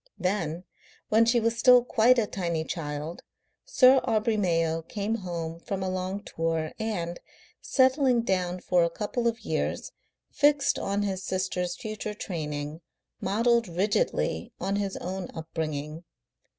Then, when she was still quite a tiny child, Sir Aubrey Mayo came home from a long tour, and, settling down for a couple of years, fixed on his sister's future training, modelled rigidly on his own upbringing.